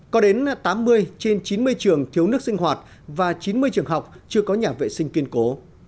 có đến tám mươi trên chín mươi trường thiếu nước sinh hoạt và chín mươi trường học chưa có nhà vệ sinh kiên cố